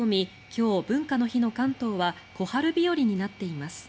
今日、文化の日の関東は小春日和になっています。